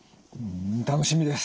楽しみです！